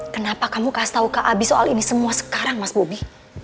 kenapa kamu kasih tau ke abi soal ini semua sekarang mas bobby